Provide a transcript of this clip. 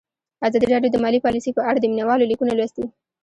ازادي راډیو د مالي پالیسي په اړه د مینه والو لیکونه لوستي.